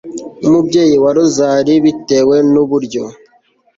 nk'umubyeyi wa rozari bitewe n'uburyo